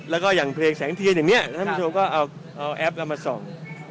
แล้วก็อย่างเพลงแสงเทียนอย่างนี้ท่านผู้ชมก็เอาแอปเรามาส่อง